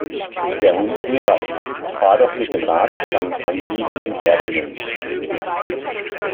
Der Hund will raus. Fahr doch mit dem Rad, dann kann sie nebenher rennen.